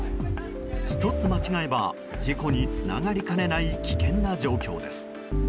１つ間違えば事故につながりかねない危険な状況です。